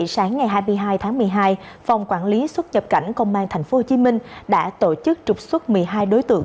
sáng ngày hai mươi hai tháng một mươi hai phòng quản lý xuất nhập cảnh công an tp hcm đã tổ chức trục xuất một mươi hai đối tượng